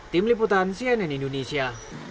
tim liputan cnn indonesia